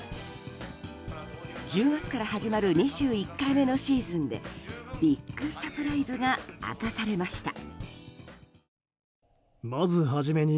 １０月から始まる２１回目のシーズンでビッグサプライズが明かされました。